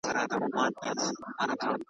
وخته ویده ښه یو چي پایو په تا نه سمیږو .